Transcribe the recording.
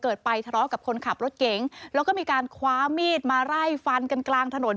ไปทะเลาะกับคนขับรถเก๋งแล้วก็มีการคว้ามีดมาไล่ฟันกันกลางถนน